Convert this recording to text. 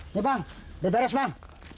nih bang udah beres bang